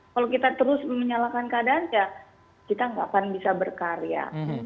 kalau kita terus menyalakan keadaan ya kita nggak akan bisa berkarya